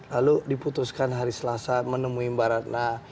lalu diputuskan hari selasa menemui mbak ratna